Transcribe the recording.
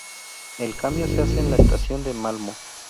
El cambio se hace en la Estación de Malmö.